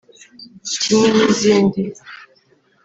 kimwe n’izindi